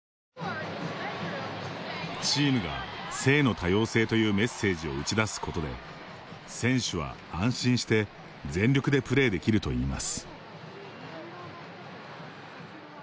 チームが性の多様性というメッセージを打ち出すことで選手は安心して、全力でプレーできるといいます。